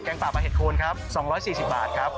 แกงปะปะเห็ดโคนครับ๒๔๐บาทครับ